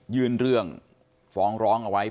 ยื่นเรื่องฟ้องร้องเอาไว้